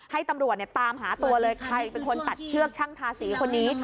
ให้ตำรวจตามหาตัวเลยใครเป็นคนตัดเชือกช่างทาสีคนนี้